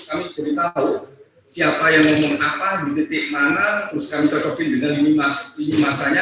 kita beritahu siapa yang ngomong apa di titik mana terus kami cocokkan dengan ini masanya